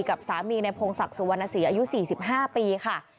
กับสามีในพงศักดิ์สุวรรณศรีอายุ๔๕ปีค่ะ